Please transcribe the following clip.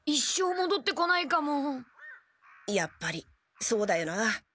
やっぱりそうだよな。